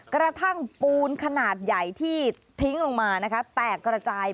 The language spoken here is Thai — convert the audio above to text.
กระทั่งปูนขนาดใหญ่ที่ทิ้งลงมานะคะแตกกระจาย